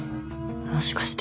もしかして